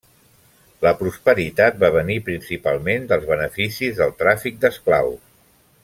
La prosperitat va venir principalment dels beneficis del tràfic d'esclaus.